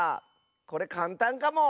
これかんたんかも。